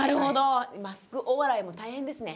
マスクお笑いも大変ですね。